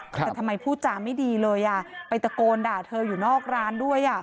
แต่ทำไมพูดจาไม่ดีเลยอ่ะไปตะโกนด่าเธออยู่นอกร้านด้วย